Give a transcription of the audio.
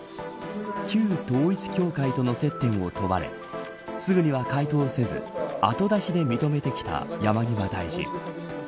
旧統一教会との接点を問われすぐには回答せず後出しで認めてきた山際大臣。